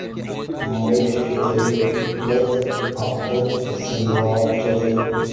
ہمارے اشک تری عاقبت سنوار چلے